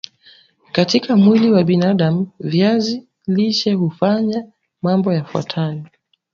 katika mwili wa binadam viazi lishe hufanya mambo yafuatayao